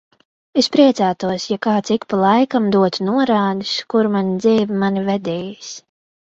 Es priecātos, ja kāds ik pa laikam dotu norādes, kur mana dzīve mani vedīs.